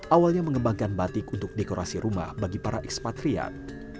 awalnya mengembangkan batik untuk dekorasi rumah bagi para ekspatriat